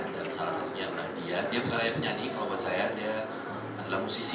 dan salah satunya adalah dia dia bukan hanya penyanyi kalau buat saya dia adalah musisi